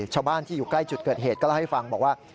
ชาวบ้านที่อยู่ใกล้จุดเกิดเหตุก็เล่าให้ฟังบอกว่า